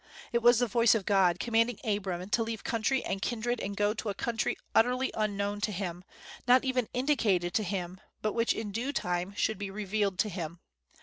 It was the voice of God commanding Abram to leave country and kindred and go to a country utterly unknown to him, not even indicated to him, but which in due time should be revealed to him.